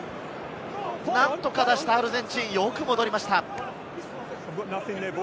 なんとか出した、アルゼンチン、よく戻りました。